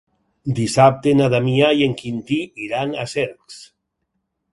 Dissabte na Damià i en Quintí iran a Cercs.